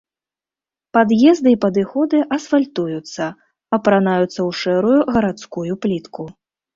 Пад'езды і падыходы асфальтуюцца, апранаюцца ў шэрую гарадскую плітку.